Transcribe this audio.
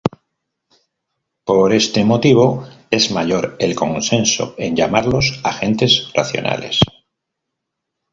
Por este motivo es mayor el consenso en llamarlos agentes racionales.